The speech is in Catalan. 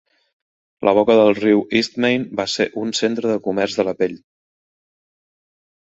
La boca del riu Eastmain va ser un centre del comerç de la pell.